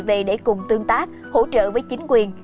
về để cùng tương tác hỗ trợ với chính quyền